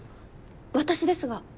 私ですが。